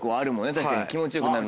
確かに気持ちよくなる。